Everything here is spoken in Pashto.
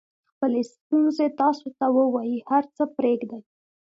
خپلې ستونزې تاسو ته ووایي هر څه پرېږدئ.